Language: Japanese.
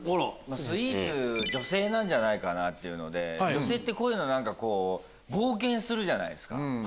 スイーツ女性じゃないかなっていうので女性ってこういうの冒険するじゃないですか。